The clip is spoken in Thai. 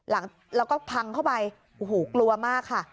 แล้วก็พังเข้าไปโอ้โหกลัวมากค่ะ